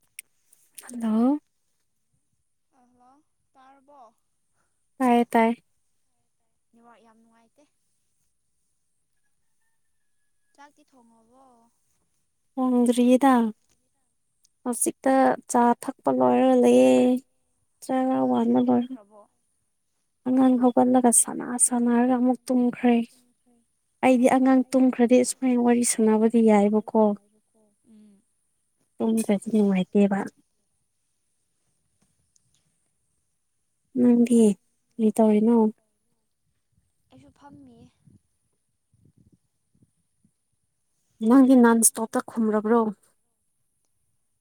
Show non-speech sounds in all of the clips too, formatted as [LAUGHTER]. [INAUDIBLE] hello hello ꯇꯥꯔꯕ‌ꯣ ꯇꯥꯏꯌ‌ꯦ ꯇꯥꯏꯌ‌ꯦ ꯅ‌ꯦꯠꯋꯥꯛ ꯌꯥꯝ ꯅꯨꯡꯉꯥꯏꯇꯦ ꯆꯥꯛꯇꯤ ꯊꯣꯡꯉꯕꯣ ꯊ‌ꯣꯡꯗ꯭ꯔꯤꯗ ꯍꯧꯖꯤꯛꯇ ꯆꯥ ꯊꯛꯄ ꯂꯣꯏꯔ ꯂꯩꯌꯦ ꯆꯔꯥ ꯋꯥꯟꯕ ꯂꯣꯏꯔ ꯑꯉꯥꯡ ꯍꯧꯒꯠꯂꯒ ꯁꯥꯟꯅ ꯁꯥꯟꯅꯔꯒ ꯑꯃꯨꯛ ꯇꯨꯝꯈ꯭ꯔꯦ [INAUDIBLE] ꯑꯩꯗꯤ ꯑꯉꯥꯡ ꯇꯨꯝꯈ꯭ꯔꯗꯤ ꯁꯨꯃꯥꯏꯅ ꯋꯥꯔꯤ ꯁꯥꯟꯅꯕꯗꯤ ꯌꯥꯏꯕꯀꯣ ꯇꯨꯝꯗ꯭ꯔꯗꯤ ꯅꯨꯡꯉꯥꯏꯇꯦꯕ ꯅꯪꯗꯤ ꯀꯩꯇꯧꯔꯤꯅꯣ ꯑꯩꯁꯨ ꯐꯝꯃꯤꯌꯦ ꯅꯪꯒꯤ ꯅꯟ ꯏꯁꯇꯣꯞꯇ ꯈꯨꯝꯔꯕ꯭ꯔꯣ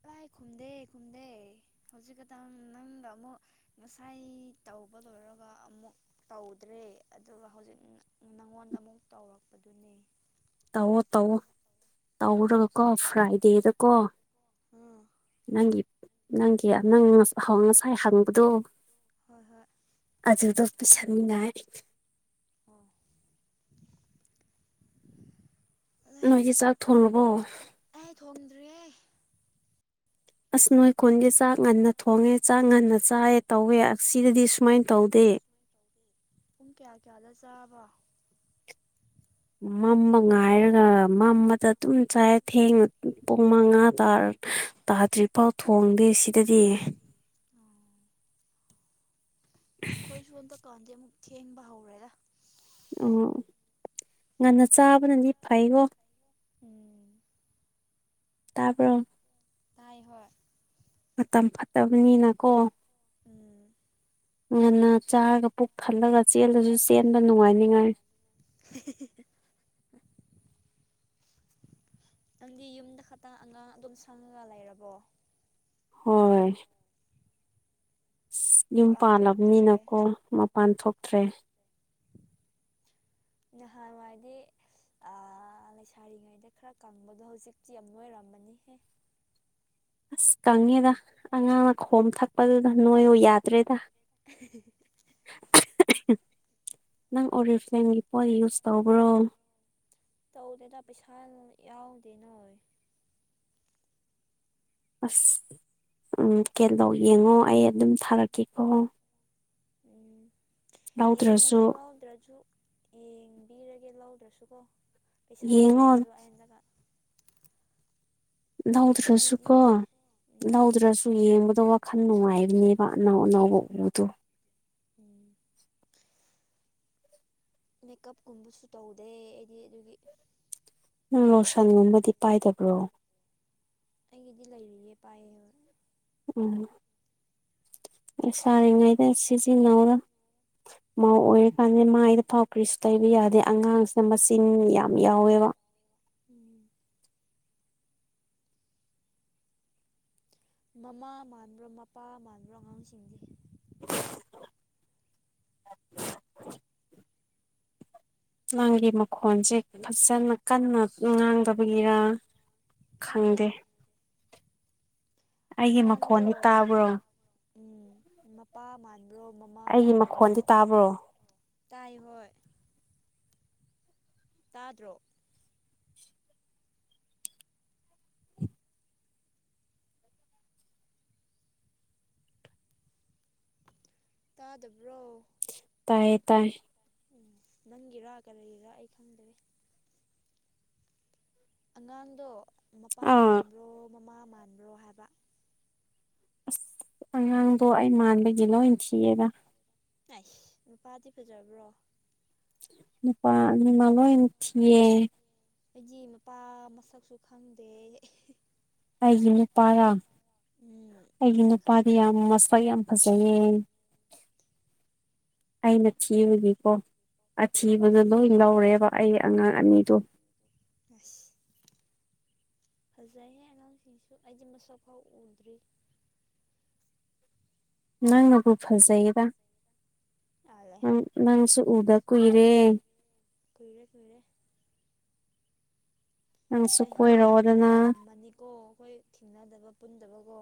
ꯂꯥꯏ ꯈꯨꯝꯗꯦ ꯈꯨꯝꯗꯦ ꯍꯧꯖꯤꯛꯀꯇꯪ ꯅꯪꯗ ꯑꯃꯨꯛ ꯉꯁꯥꯏ ꯇꯧꯕ ꯂꯣꯏꯔꯒ ꯑꯃꯨꯛ ꯇꯧꯗ꯭ꯔꯦ ꯑꯗꯨꯒ ꯍꯧꯖꯤꯛ ꯅꯪꯉꯣꯟꯗ ꯑꯃꯨꯛ ꯇꯧꯔꯛꯄꯗꯨꯅꯦ ꯇꯧꯑꯣ ꯇꯧꯑꯣ ꯇꯧꯔꯒꯀꯣ ꯐ꯭ꯔꯥꯏꯗꯦꯗꯀꯣ ꯅꯪꯒꯤ ꯅꯪꯒꯤ ꯅꯪ ꯉꯁꯥꯏ ꯍꯪꯕꯗꯣ ꯍꯣꯏ ꯍꯣꯏ ꯑꯗꯨꯗꯣ ꯄꯤꯁꯟꯅꯤꯉꯥꯏ [UNINTELLIGIBLE] ꯅꯣꯏꯗꯤ ꯆꯥꯛ ꯊꯣꯡꯔꯕꯣ ꯑꯩ ꯊꯣꯡꯗ꯭ꯔꯤꯌ‌ꯦ ꯑꯁ ꯅ‌ꯣꯏ ꯈꯨꯟꯒꯤ ꯆꯥꯛ ꯉꯟꯅ ꯊꯣꯡꯉꯦ ꯆꯥꯛ ꯉꯟꯅ ꯆꯥꯏꯌ‌ꯦ ꯇꯧꯋꯦ ꯁꯤꯗꯗꯤ ꯁꯨꯃꯥꯏꯅ ꯇꯧꯗꯦ ꯄꯨꯡ ꯀꯌꯥ ꯀꯌꯥꯗ ꯆꯥꯕ ꯃꯝꯕ ꯉꯥꯏꯔꯒ ꯃꯝꯕꯗ ꯑꯗꯨꯝ ꯆꯥꯏ ꯊꯦꯡꯅ ꯄꯨꯡ ꯃꯉꯥ ꯇꯥꯔ ꯇꯥꯗ꯭ꯔꯤꯐꯥꯎ ꯊꯣꯡꯗꯦ ꯁꯤꯗꯗꯤ ꯑꯩꯈꯣꯏ ꯁꯣꯝꯗꯀꯥꯟꯗꯤ ꯑꯃꯨꯛ ꯊꯦꯡꯕ ꯍꯧꯔꯦꯗ ꯑꯣ ꯉꯟꯅ ꯆꯥꯕꯅꯗꯤ ꯐꯩꯉꯣ ꯇꯥꯕ꯭ꯔꯣ ꯇꯥꯏ ꯍꯣꯏ ꯃꯇꯝ ꯐꯠꯇꯕꯅꯤꯅ ꯀꯣ ꯎꯝ ꯉꯟꯅ ꯆꯥꯔꯒ ꯄꯨꯛ ꯊꯜꯂꯒ ꯆꯦꯜꯂꯁꯨ ꯆꯦꯟꯕ ꯅꯨꯡꯉꯥꯏꯅꯤꯉꯥꯏ [INAUDIBLE] ꯅꯪꯗꯤ ꯌꯨꯝꯗ ꯈꯛꯇ ꯑꯉꯥꯡ ꯑꯗꯨꯝ ꯁꯪꯉꯒ ꯂꯩꯔꯕꯣ ꯍꯣꯏ ꯌꯨꯝ ꯄꯥꯜꯂꯕꯅꯤꯅꯀꯣ ꯄꯥꯟꯊꯣꯛꯇ꯭ꯔꯦ ꯅꯍꯥꯟꯋꯥꯏꯗꯤ ꯑ ꯂꯩꯁꯥꯔꯤꯉꯩꯗ ꯈꯔ ꯀꯪꯕꯗꯣ ꯍꯧꯖꯤꯛꯇꯤ ꯌꯥꯝ ꯂꯣꯏꯔꯝꯃꯅꯤꯍꯦ ꯑꯁ ꯀꯪꯉꯦꯗ ꯑꯉꯥꯡꯅ ꯈꯣꯝ ꯊꯛꯄꯗꯨꯗ ꯅꯣꯏꯌꯣ ꯌꯥꯗ꯭ꯔꯦꯗ [INAUDIBLE] ꯅꯪ ꯑꯣꯔꯤꯐ꯭ꯂꯦꯝꯒꯤ ꯄꯣꯠ ꯌꯨꯁ ꯇꯧꯕ꯭ꯔꯣ ꯇꯧꯗꯦꯗ ꯄꯩꯁꯥ ꯌꯥꯎꯗꯦ ꯅꯣꯏ ꯑꯁ ꯎꯝ ꯀꯦꯟꯗꯣ ꯌꯦꯡꯉꯣ ꯑꯩ ꯑꯗꯨꯝ ꯊꯥꯔꯛꯀꯦꯀꯣ ꯎꯝ ꯌꯦꯡꯉꯁꯨ ꯂꯧꯗ꯭ꯔꯁꯨ ꯌꯦꯡꯕꯤꯔꯒꯦ ꯂꯧꯗ꯭ꯔꯁꯨꯀꯣ ꯄꯩꯁꯥ ꯂꯩꯇꯦꯕ ꯑꯉꯟꯗꯒ ꯂꯧꯗ꯭ꯔꯁꯨ ꯀꯣ ꯂꯧꯗ꯭ꯔꯁꯨ ꯌꯦꯡꯕꯗꯣ ꯈꯟ ꯅꯨꯡꯉꯥꯏꯕꯅꯦꯕ ꯑꯅꯥꯎ ꯑꯅꯥꯎꯕ ꯎꯕꯗꯣ ꯎꯝ ꯃꯦꯀꯞꯀꯨꯝꯕꯁꯨ ꯇꯧꯗꯦ ꯑꯩꯗꯤ ꯑꯗꯨꯒꯤ ꯪ ꯔꯣꯁꯟꯒꯨꯝꯕꯗꯤ ꯄꯥꯏꯗꯕ꯭ꯔꯣ ꯑꯩꯒꯤꯗꯤ ꯂꯩꯔꯤꯌꯦ ꯄꯥꯏꯌꯦ ꯎꯝ ꯁꯥꯔꯤꯉꯩꯗ ꯁꯤꯖꯤꯟꯅꯧꯔ ꯃꯧ ꯑꯣꯏꯔꯤꯀꯥꯟꯗ ꯃꯥꯏꯗ ꯐꯥꯎ ꯀ꯭ꯔꯤꯁꯨ ꯇꯩꯕ ꯌꯥꯗꯦ ꯑꯉꯥꯡꯁꯤꯅ ꯃꯆꯤꯟ ꯌꯥꯝ ꯌꯥꯎꯋꯦꯕ ꯃꯃꯥ ꯃꯥꯟꯕ꯭ꯔꯣ ꯃꯄꯥ ꯃꯥꯟꯕ꯭ꯔꯣ ꯑꯉꯥꯡꯁꯤꯡꯗꯤ ꯅꯪꯒꯤ ꯃꯈꯣꯟꯁꯦ ꯐꯖꯅ ꯀꯟꯅ ꯉꯥꯡꯗꯕ ꯑꯣꯏꯕꯒꯤꯔꯥ ꯈꯪꯗꯦ ꯑꯉꯥꯡꯗꯣ ꯎꯝ ꯃꯄꯥ ꯃꯥꯟ ꯔꯣ ꯃꯃꯥ ꯃꯥꯟꯕ꯭ꯔꯣ ꯍꯥꯏꯕ ꯇꯥꯏ ꯍꯣꯏ ꯇꯥꯗ꯭ꯔꯣ ꯇꯥꯗꯕ꯭ꯔꯣ ꯇꯥꯏꯌꯦ ꯇꯥꯏꯌꯦ ꯎꯝ ꯅꯪꯒꯤꯔꯥ ꯀꯔꯤꯒꯤꯔꯥ ꯑꯩ ꯈꯪꯗꯥꯔꯦ ꯑꯉꯥꯡꯗꯣ ꯃꯄꯥ ꯃꯥꯟꯕ꯭ꯔꯣ ꯃꯃꯥ ꯃꯥꯟꯕ꯭ꯔꯣ ꯍꯥꯏꯕ ꯑꯁ ꯑꯉꯥꯡꯗꯣ ꯑꯩ ꯃꯥꯟꯕꯒꯤ ꯂꯣꯏꯟ ꯊꯤꯑꯦꯗ ꯅꯥꯟꯏꯁ ꯅꯨꯄꯥꯗꯤ ꯐꯖꯕ꯭ꯔꯣ ꯅꯨꯄꯥꯃ ꯂꯣꯏ ꯏ ꯊꯤꯌꯦ ꯑꯩꯆꯦ ꯃꯄꯥ ꯃꯁꯛꯁꯨ ꯈꯪꯗꯦ ꯑꯩꯒꯤ ꯅꯨꯄꯥꯒ ꯑꯩꯒꯤ ꯅꯨꯄꯥꯗꯤ ꯌꯥꯝ ꯃꯁꯛ ꯌꯥꯝ ꯐꯖꯩꯌꯦ ꯑꯩꯅ ꯊꯤꯕꯒꯤꯀꯣ ꯑꯊꯤꯕꯗꯣ ꯂꯣꯏ ꯂꯧꯔꯦꯕ ꯑꯩ ꯑꯉꯥꯡ ꯑꯅꯤꯗꯣ ꯑꯁ ꯐꯖꯩꯍꯦ ꯑꯉꯥꯡꯁꯤꯡꯁꯨ ꯑꯩꯗꯤ ꯃꯁꯛ ꯐꯥꯎ ꯎꯗ꯭ꯔꯤ ꯅꯪꯅꯕꯨ ꯐꯖꯩꯗ ꯑꯂꯦ ꯎꯝ ꯅꯪꯁꯨ ꯎꯗ ꯀꯨꯏꯔꯦ ꯀꯨꯏꯔꯦ ꯀꯨꯏꯔꯦ ꯆꯍꯤ ꯌꯥꯝꯂꯝꯃꯅꯤꯀꯣ ꯑꯈꯣꯏ ꯊꯦꯡꯅꯗꯕ ꯄꯨꯟꯗꯕꯒꯣ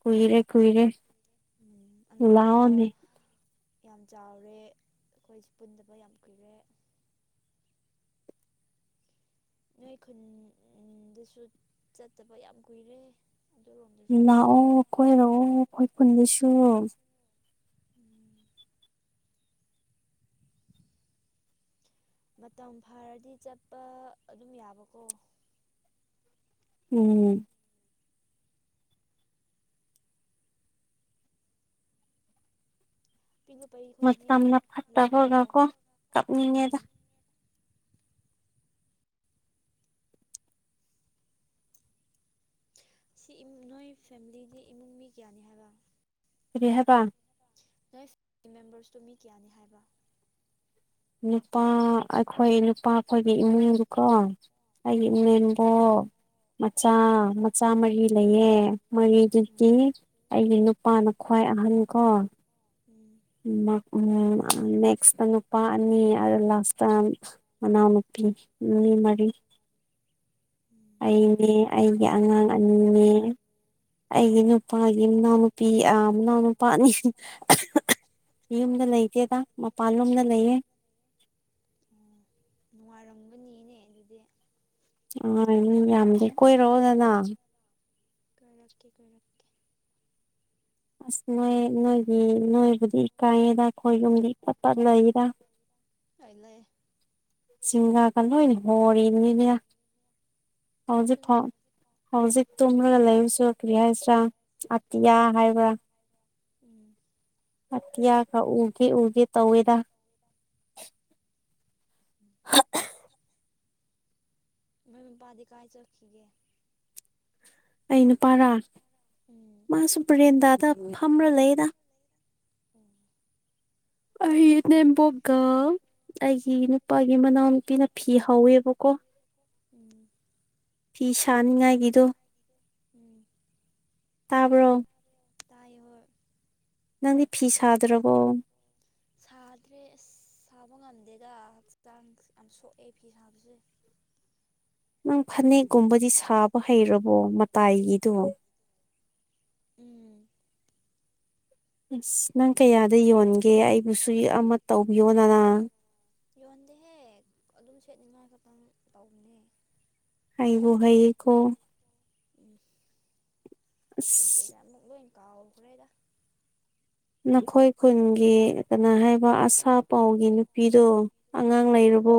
ꯀꯨꯏꯔꯦ ꯀꯨꯏꯔꯦ ꯎꯝ ꯑꯅꯥꯝꯕꯣ ꯌꯥꯝ ꯆꯥꯎꯔꯦ ꯑꯈꯣꯏꯁꯨ ꯄꯨꯟꯗꯕ ꯌꯥꯝ ꯀꯨꯏꯔꯦ ꯅꯣꯏ ꯈꯨꯟ ꯎꯝ ꯗꯁꯨ ꯆꯠꯇꯕ ꯌꯥꯝ ꯀꯨꯏꯔꯦ ꯅꯥꯛꯑꯣ ꯀꯣꯏꯔꯛꯑꯣ ꯑꯩꯈꯣꯏ ꯈꯨꯨꯟꯗꯁꯨ ꯎꯝ ꯃꯇꯝ ꯐꯔꯗꯤ ꯆꯠꯄ ꯑꯗꯨꯝ ꯌꯥꯕꯀꯣ ꯎꯝ ꯄꯤꯅꯤꯄꯥꯔꯤ ꯈꯣꯏꯗꯤ ꯂꯥꯛꯇ꯭ꯔꯣ ꯎꯝ ꯁꯤ ꯏꯝ ꯅꯣꯏ ꯐꯦꯃꯤꯂꯤꯗꯤ ꯏꯃꯨꯡ ꯃꯤ ꯀꯌꯥꯅꯤ ꯍꯥꯏꯕ ꯀꯔꯤ ꯍꯥꯏꯕ ꯅꯣꯏꯁ ꯀꯤ ꯃꯦꯝꯕ꯭ꯔꯁꯇꯣ ꯃꯤ ꯀꯌꯥꯅꯤ ꯍꯥꯏꯕ ꯅꯨꯄꯥ ꯑꯩꯈꯣꯏ ꯅꯨꯄꯥ ꯑꯈꯣꯏꯒꯤ ꯏꯃꯨꯡꯗꯨꯀꯣ ꯑꯩꯒꯤ ꯏꯅꯦꯝꯕꯣꯛ ꯃꯆꯥ ꯃꯆꯥ ꯃꯔꯤ ꯂꯩꯌꯦ ꯃꯔꯤꯗꯨꯗꯤ ꯑꯩꯒꯤ ꯅꯨꯄꯥꯅ ꯈ꯭ꯋꯥꯏ ꯑꯍꯟ ꯀꯣ ꯎꯝ ꯎꯝ ꯃꯥꯛꯅꯦ ꯑ‌ ꯅꯦꯛꯁꯇ ꯅꯨꯄꯥ ꯑꯅꯤ ꯑ ꯂꯥꯁꯇ ꯃꯅꯥꯎꯅꯨꯄꯤꯒꯤ ꯃꯤ ꯃꯔꯤ ꯑꯩꯅꯦ ꯑꯩꯒꯤ ꯑꯉꯥꯡ ꯑꯅꯤꯅꯦ ꯑꯩꯒꯤ ꯅꯨꯄꯥꯒꯤ ꯃꯅꯥꯎꯅꯨꯄꯤ ꯑ ꯃꯅꯥꯎꯅꯨꯄꯥ ꯑꯅꯤ ꯁꯨꯏ ꯌꯨꯝꯗ ꯂꯩꯇꯦꯗ ꯃꯄꯥꯟꯂꯣꯝꯗ ꯂꯩꯌꯦ ꯎꯝ ꯅꯨꯡꯉꯥꯏꯔꯝꯒꯅꯤꯅꯦ ꯑꯗꯨꯗꯤ ꯑ ꯃꯤꯌꯥꯝꯗꯤ ꯀꯣꯏꯔꯛꯑꯣꯗꯅ ꯀꯔꯛꯀꯦ ꯀꯣꯏꯔꯛꯀꯦ ꯑꯁ ꯅꯣꯏ ꯅꯣꯏꯒꯤ ꯅꯣꯏꯕꯨꯗꯤ ꯀꯥꯏꯑꯦꯗ ꯈꯣꯏ ꯌꯨꯝꯗꯤ ꯏꯄꯠ ꯄꯠ ꯂꯩꯌꯦꯗ ꯑꯥꯏ ꯂꯩ ꯁꯤꯡꯒꯥꯒ ꯂꯣꯏꯅ ꯍꯣꯔꯤꯅꯤꯅꯦ ꯍꯧꯖꯤꯛ ꯐꯥꯎ ꯍꯧꯖꯤꯛ ꯇꯨꯝꯔꯒ ꯂꯩꯔꯁꯨ ꯀ꯭ꯔꯤ ꯍꯥꯏꯁꯤꯔꯥ ꯑꯇꯤꯌꯥ ꯍꯥꯏꯕ꯭ꯔꯥ ꯎꯝ ꯑꯇꯤꯌꯥꯒ ꯎꯒꯦ ꯎꯒꯦ ꯇꯧꯋꯦꯗ ꯅꯪ ꯅꯨꯄꯥꯗꯤ ꯀꯥꯥꯏ ꯆꯠꯈꯤꯒꯦ ꯑꯩ ꯅꯨꯄꯥꯔꯥ ꯃꯥꯁꯨ ꯕ꯭ꯔꯦꯟꯗꯥꯗ ꯐꯝꯔ ꯂꯩꯗ ꯑꯣ ꯑꯩ ꯏꯅꯦꯝꯕ‌ꯣꯛꯀ ꯑꯩꯒꯤ ꯅꯨꯄꯥꯒꯤ ꯃꯅꯥꯎ ꯅꯨꯨꯄꯤꯅ ꯐꯤ ꯍꯧꯋꯦꯕꯀꯣ ꯎꯝ ꯐꯤ ꯁꯥꯅꯤꯡꯉꯥꯏꯒꯤꯗꯣ ꯎꯝ ꯇꯥꯕ꯭ꯔꯣ ꯇꯥꯏꯌꯦ ꯍꯣꯏ ꯅꯪꯗꯤ ꯐꯤ ꯁꯥꯗ꯭ꯔꯕꯣ ꯁꯥꯗ꯭ꯔꯦ ꯑꯁ ꯁꯥꯕ ꯉꯝꯗꯦꯗ ꯍꯛꯆꯥꯡ ꯌꯥꯝ ꯁꯣꯛꯑꯦ ꯐꯤ ꯁꯥꯕꯁꯦ ꯅꯪ ꯐꯅꯦꯛꯀꯨꯝꯕꯗꯤ ꯁꯥꯕ ꯍꯩꯔꯕꯣ ꯃꯇꯥꯏꯒꯤꯗꯣ ꯎꯝ ꯏꯁ ꯅꯪ ꯀꯌꯥꯗ ꯌꯣꯟꯒꯦ ꯑꯩꯕꯨꯁꯨ ꯌꯦ ꯑꯃ ꯇꯧꯕꯤꯌꯣꯗꯅ ꯌꯣꯟꯗꯦꯍꯦ ꯑꯗꯨꯝ ꯁꯦꯠꯅꯤꯡꯉꯥꯏ ꯈꯛꯇꯪ ꯇꯧꯕꯅꯦ ꯍꯩꯕꯨꯍꯩꯌꯦꯀꯣ ꯎꯝ ꯍꯩꯇꯦꯗ ꯑꯃꯨꯛ ꯂꯣꯏ ꯀꯥꯎꯈ꯭ꯔꯦꯗ ꯅꯈꯣꯏ ꯈꯨꯟꯒꯤ ꯀꯅꯥ ꯍꯥꯏꯕ ꯑꯁꯥ ꯄꯥꯎꯒꯤ ꯅꯨꯄꯤꯗꯣ ꯑꯉꯥꯡ ꯂꯩꯔꯕꯣ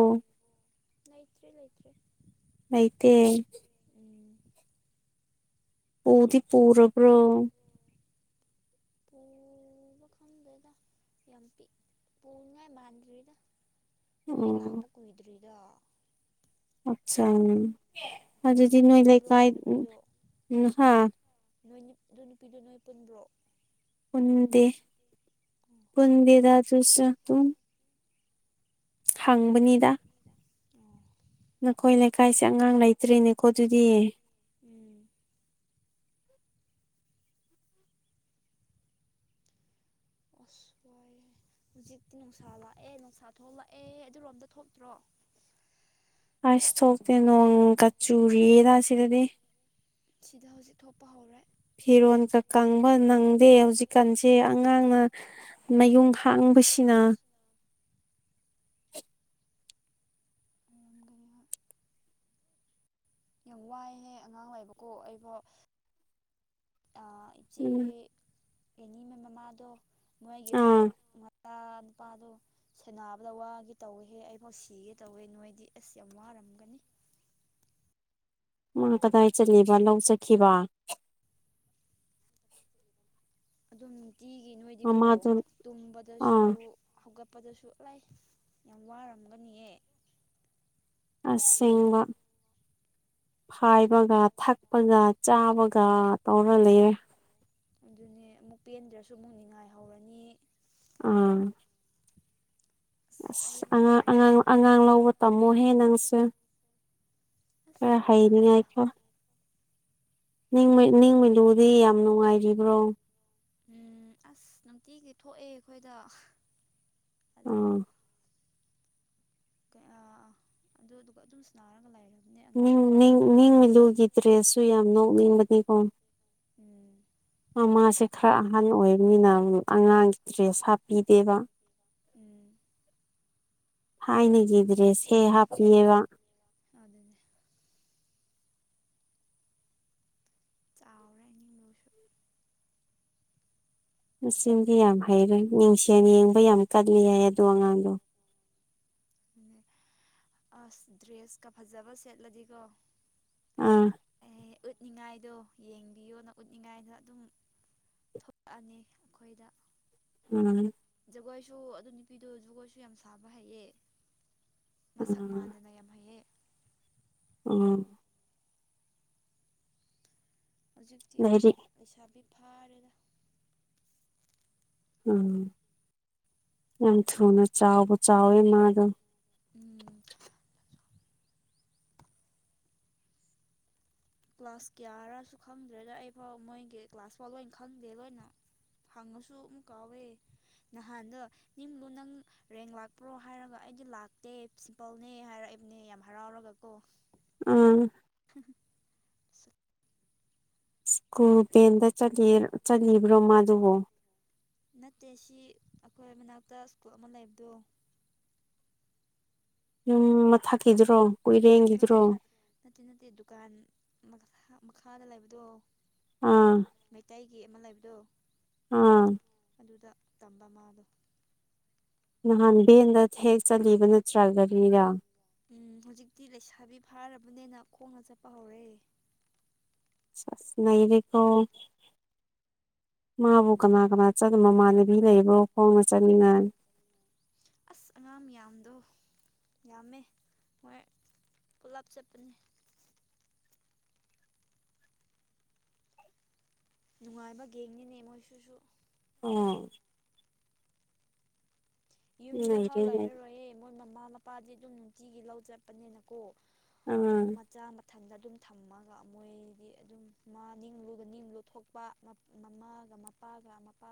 ꯂꯩꯇ꯭ꯔꯤ ꯂꯩꯇ꯭ꯔꯤ ꯂꯩꯇꯦ ꯎꯝ ꯄꯨꯗꯤ ꯄꯨꯔꯕꯔꯣ ꯄꯨꯕ ꯈꯪꯗꯦꯗ ꯌꯥꯝ ꯄꯤꯛ ꯄꯨꯅꯤꯡꯉꯥꯏ ꯃꯥꯟꯗ꯭ꯔꯤꯗ ꯃꯣꯏ ꯂꯥꯛꯄ ꯀꯨꯏꯗ꯭ꯔꯤꯗ ꯑꯆꯥ ꯑꯗꯨꯗꯤ ꯅꯣꯏ ꯂꯩꯀꯥꯏ ꯎꯝ ꯍꯥ ꯅꯣꯏ ꯅꯤ ꯑꯗꯨ ꯅꯨꯄꯤꯗꯣ ꯅꯣꯏ ꯄꯨꯟꯕ꯭ꯔꯣ ꯄꯨꯟꯗꯦ [UNINTELLIGIBLE] ꯄꯨꯟꯗꯦꯗ ꯑꯗꯨꯁꯨꯨ ꯗꯨꯝ ꯍꯪꯕꯅꯤꯗ ꯑꯣ ꯅꯈꯣꯏ ꯂꯩꯀꯥꯏꯁꯦ ꯑꯉꯥꯡ ꯂꯩꯇ꯭ꯔꯤꯅꯦꯀꯣ ꯑꯗꯨꯗꯤ ꯎꯝ ꯑꯁ ꯋꯥꯏꯍꯦ ꯍꯧꯖꯤꯛꯇꯤ ꯅꯨꯡꯁꯥ ꯂꯥꯛꯑꯦ ꯅꯨꯡꯁꯥ ꯊꯣꯛꯂꯛꯑꯦ ꯑꯗꯨꯔꯣꯝꯗ ꯊꯣꯛꯇ꯭ꯔꯣ ꯑꯥꯏꯁ ꯊꯣꯛꯇꯦ ꯅꯣꯡꯒ ꯆꯨꯔꯤꯗ ꯁꯤꯗꯗꯤ ꯁꯤꯗ ꯍꯧꯖꯤꯛ ꯊꯣꯛꯄ ꯍꯧꯔꯦ ꯐꯤꯔꯣꯜꯒ ꯀꯪꯕ ꯅꯪꯗꯦ ꯍꯧꯖꯤꯛꯀꯥꯟꯁꯦ ꯑꯉꯥꯡꯅ ꯃꯌꯨꯡ ꯍꯥꯡꯕꯁꯤꯅ [UNINTELLIGIBLE] ꯌꯥꯝ ꯋꯥꯏꯍꯦ ꯑꯉꯥꯡ ꯂꯩꯕꯀꯣ ꯑꯩꯕꯥꯎ ꯑ ꯏꯆꯦ ꯑꯦꯅꯤꯃꯦ ꯃꯃꯥꯗꯣ ꯃꯣꯏꯒꯤ ꯐꯥꯎ ꯃꯆꯥ ꯅꯨꯄꯥꯗꯣ ꯁꯦꯟꯅꯥꯕꯗ ꯋꯥꯒꯦ ꯇꯧꯋꯤꯍꯦ ꯑꯩꯐꯥꯎ ꯁꯤꯒꯦ ꯇꯧꯋꯦ ꯅꯣꯏꯗꯤ ꯑꯁ ꯌꯥꯝ ꯋꯥꯔꯝꯒꯅꯤ ꯃꯥꯅ ꯀꯗꯥꯏ ꯆꯠꯂꯤꯕ ꯂꯧ ꯆꯠꯈꯤꯕ ꯑꯗꯨꯝ ꯅꯨꯡꯇꯤꯒꯤ ꯅꯣꯏꯗꯤꯀꯣ ꯇꯨꯝꯕꯗꯁꯨ ꯍꯧꯒꯠꯄꯗꯁꯨ ꯂꯥꯏ ꯌꯥꯝ ꯋꯥꯔꯝꯒꯅꯤꯌꯦ ꯑꯁꯁꯦꯡꯕ ꯐꯥꯏꯕꯒ ꯊꯛꯄꯒ ꯆꯥꯕꯒ ꯇꯧꯔ ꯂꯩꯔꯦ ꯑꯗꯨꯅꯦ ꯑꯃꯨꯛ ꯄꯦꯟꯗ꯭ꯔꯥꯁꯨ ꯑꯃꯨꯛ ꯅꯤꯉꯥꯏ ꯍꯧꯔꯅꯤ ꯑꯝ ꯑꯁ ꯑꯉꯥꯡ ꯑꯉꯥꯡ ꯑꯉꯥꯡ ꯂꯧꯕ ꯇꯝꯃꯣꯍꯦ ꯅꯪꯁꯨ ꯈꯔ ꯍꯩꯅꯤꯉꯥꯏ ꯀꯣ ꯅꯤꯡꯃꯩ ꯅꯤꯡꯃꯩꯂꯨꯗꯤ ꯌꯥꯝ ꯅꯨꯡꯉꯥꯏꯔꯤꯕ꯭ꯔꯣ ꯑꯝ ꯑꯁ ꯅꯝꯇꯤꯒꯤ ꯊꯣꯛꯑꯦ ꯑꯩꯈꯣꯏꯗ ꯑꯗꯨꯒ ꯀꯩ ꯑꯥ ꯑꯗꯨꯗꯨꯒ ꯑꯗꯨꯝꯁꯨ ꯁꯥꯅꯔꯒ ꯂꯩꯔꯦ ꯅꯤꯡ ꯅꯤꯡ ꯅꯤꯡꯃꯩꯂꯨꯒꯤ ꯗ꯭ꯔꯦꯁꯁꯨ ꯌꯥꯝ ꯅꯣꯛꯅꯤꯡꯕꯅꯤꯀꯣ ꯎꯝ ꯃꯃꯥꯁꯦ ꯈꯔ ꯑꯍꯟ ꯑꯣꯏꯕꯅꯤꯅ ꯑꯉꯥꯡꯒꯤ ꯗ꯭ꯔꯦꯁ ꯍꯥꯞꯄꯤꯗꯦꯕ ꯎꯝ ꯊꯥꯏꯅꯒꯤ ꯗ꯭ꯔꯦꯖꯁꯦ ꯍꯥꯞꯈꯤꯌ‌ꯦꯕ ꯑꯗꯨꯅꯦ ꯆꯥꯎꯔꯦ ꯑꯅꯤꯝꯂ‌ꯣꯏꯁꯨ ꯃꯆꯤꯟꯗꯤ ꯌꯥꯝ ꯍꯩꯔꯦ ꯅꯤꯡꯁꯦꯜ ꯌꯦꯡꯕ ꯌꯥꯝ ꯀꯜꯂꯦ ꯍꯥꯏꯌꯦ ꯑꯗꯨ ꯑꯉꯥꯡꯗꯣ ꯑꯥꯁ ꯗ꯭ꯔꯦꯁꯀ ꯐꯖꯕ ꯁꯦꯠꯂꯗꯤꯀꯣ ꯎꯝ ꯑꯦ ꯎꯠꯅꯤꯉꯥꯏꯗꯣ ꯌꯦꯡꯕꯤꯌꯣꯅ ꯎꯠꯅꯤꯉꯥꯏꯗ ꯑꯗꯨꯝ ꯊꯣꯛꯑꯅꯤ ꯑꯩꯈꯣꯏꯗ ꯎꯝ ꯖꯒꯣꯏꯁꯨ ꯑꯗꯨ ꯅꯨꯄꯤꯗꯨ ꯖꯒꯣꯏꯁꯨ ꯌꯥꯝ ꯁꯥꯕ ꯍꯩꯌꯦ ꯃꯁꯛ ꯃꯥꯟꯗꯅ ꯌꯥꯝ ꯍꯩꯌꯦ ꯑꯃꯝ ꯍꯧꯖꯤꯛꯇꯤ ꯂꯩꯩꯁꯥꯕꯤ ꯐꯥꯔꯦꯗ ꯑꯃꯝ ꯌꯥꯝ ꯊꯨꯅ ꯆꯥꯎꯕꯨ ꯆꯥꯎꯋꯦ ꯃꯥꯗꯣ ꯑꯃꯝ ꯀ꯭ꯂꯥꯁ ꯀꯌꯥꯔꯁꯨ ꯈꯪꯗ꯭ꯔꯦꯗ ꯑꯩꯐꯥꯎ ꯃꯣꯏꯒꯤ ꯀ꯭ꯂꯥꯁꯐꯥꯎ ꯂꯣꯏ ꯈꯪꯗꯦ ꯂꯣꯏꯅ ꯍꯪꯉꯁꯨ ꯑꯃꯨꯛ ꯀꯥꯎꯋꯦ ꯅꯍꯥꯟꯗꯣ ꯅꯤꯡꯂꯨ ꯅꯪ ꯔꯦꯡ ꯂꯥꯛꯄ꯭ꯔꯣ ꯍꯥꯏꯔꯒ ꯑꯩꯗꯤ ꯂꯥꯛꯇꯦ ꯁꯤꯝꯄꯜꯅꯦ ꯍꯥꯏꯔꯛꯏꯕꯅꯦ ꯌꯥꯝ ꯍꯔꯥꯎꯔꯒ ꯀꯣ ꯑꯃꯝ ꯍꯨꯝ ꯍꯨꯝ ꯁ ꯁ꯭ꯀꯨꯜ ꯕꯦꯟꯗ ꯆꯠꯂꯤꯌꯦ ꯆꯠꯂꯤꯕ꯭ꯔꯣ ꯃꯥꯗꯨꯕꯣ ꯅꯠꯇꯦ ꯁꯤ ꯑꯈꯣꯏ ꯃꯅꯥꯛꯇ ꯁ꯭ꯀꯨꯜ ꯑꯃ ꯂꯩꯕꯗꯣ ꯌꯨꯝ ꯃꯊꯛꯀꯤꯗꯨꯔꯣ ꯅꯠꯇꯦ ꯅꯠꯇꯦ ꯅꯠꯇꯦ ꯗꯨꯀꯥꯟ ꯃꯈꯥ ꯃꯈꯥꯗ ꯂꯩꯕꯗꯣ ꯃꯩꯇꯩꯒꯤ ꯑꯃ ꯂꯩꯕꯗꯣ ꯑꯃꯝ ꯑꯗꯨꯗ ꯇꯝꯕ ꯃꯥꯗꯣ ꯅꯍꯥꯟ ꯕꯦꯟꯗ ꯍꯦꯛ ꯆꯠꯂꯤꯕ ꯅꯠꯇ꯭ꯔꯥ ꯒꯥꯔꯤꯔ ꯎꯝ ꯍꯧꯖꯤꯛꯇꯤ ꯂꯩꯁꯥꯕꯤ ꯐꯥꯔꯕꯅꯤꯅ ꯈꯣꯡꯅ ꯆꯠꯄ ꯍꯧꯔꯦ ꯁꯥꯁ ꯅꯩꯔꯦꯀꯣ ꯃꯥꯕꯨ ꯀꯅꯥ ꯀꯅꯥ ꯆꯠ ꯃꯃꯥꯟꯅꯕꯤ ꯂꯩꯕ꯭ꯔꯣ ꯈꯣꯡꯅ ꯆꯠꯅꯤꯡꯉꯥꯏ [UNINTELLIGIBLE] ꯑꯁ ꯑꯉꯥꯡ ꯃꯤꯌꯥꯝꯗꯣ ꯌꯥꯝꯃꯦ ꯃꯣꯏ ꯄꯨꯂꯞ ꯆꯠꯄꯅꯦ ꯅꯨꯡꯉꯥꯏꯕꯒꯤ ꯅꯤꯅꯦ ꯃꯣꯏꯁꯨꯁꯨ ꯑꯣ ꯌꯨꯝꯗ ꯐꯥꯎ ꯂꯩꯔꯔꯣꯏꯌꯦ ꯃꯣꯏ ꯃꯃꯥ ꯃꯄꯥꯗꯤ ꯑꯗꯨꯝ ꯅꯨꯡꯇꯤꯒꯤ ꯂꯧ ꯆꯠꯄꯅꯤꯅꯀꯣ ꯃꯆꯥ ꯃ ꯊꯟꯗ ꯑꯗꯨꯝ ꯊꯝꯃꯒ ꯃꯣꯏꯗꯤ ꯑꯗꯨꯝ ꯃꯥ ꯅꯤꯡꯂꯨꯒ ꯅꯤꯡꯂꯨ ꯊꯣꯛꯄ ꯃ ꯃꯃꯥꯒ ꯃꯄꯥꯒ ꯃꯄꯥ